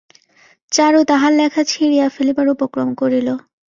চারু তাহার লেখা ছিঁড়িয়া ফেলিবার উপক্রম করিল।